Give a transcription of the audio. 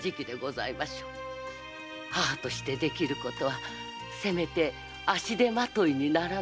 母としてできることはせめて足手まといにならぬこと。